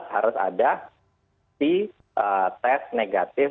harus ada tes negatif